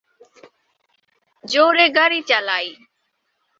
জোরে গাড়ি চালাই।